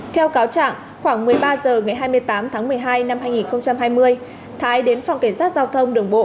theo cáo trạng khoảng một mươi ba h ngày hai mươi tám tháng một mươi hai năm hai nghìn hai mươi thái đến phòng cảnh sát giao thông đường bộ